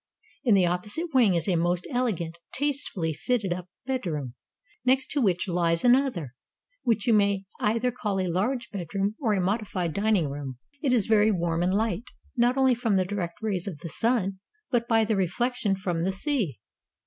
In the opposite wing is a most elegant, tastefully fitted up bedroom; next to which Hes another, which you may call either a large bedroom or a modified dining room ; it is very warm and light, not only from the direct rays of the sun, but by their reflec tion from the sea.